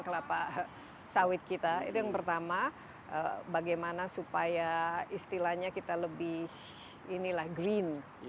kelapa sawit kita itu yang pertama bagaimana supaya istilahnya kita lebih inilah green